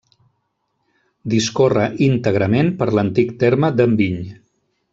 Discorre íntegrament per l'antic terme d'Enviny.